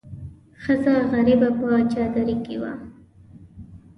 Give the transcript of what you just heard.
ښځه غریبه په چادرۍ کې وه.